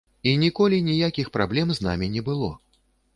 І ніколі ніякіх праблем з намі не было.